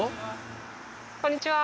こんにちは。